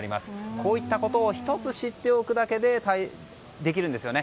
こういったことを１つ知っておくだけでできるんですね。